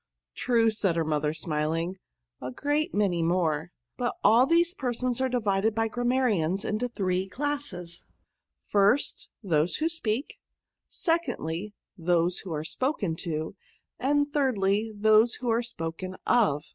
" True," said her mother, smiling, " a great many more ; but all these persons are divided by grammarians into three classes, first, those who speak ; secondly, those who are spoken to ; and thirdly, those who are spoken of."